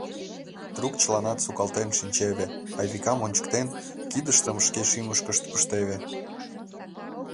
Трук чыланат сукалтен шинчеве, Айвикам ончыктен, кидыштым шке шӱмышкышт пыштеве.